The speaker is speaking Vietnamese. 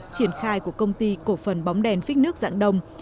triển khai của công ty cổ phần bóng đèn phích nước dạng đông